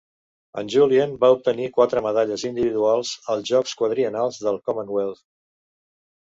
En Julien va obtenir quatre medalles individuals als jocs quadriennals del Commonwealth.